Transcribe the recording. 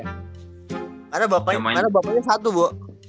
karena bapaknya satu bu